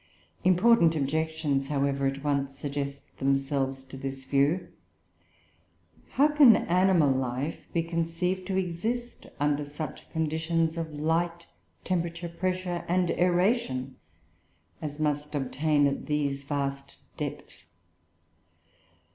"Important objections, however, at once suggest themselves to this view. How can animal life be conceived to exist under such conditions of light, temperature, pressure, and aeration as must obtain at these vast depths?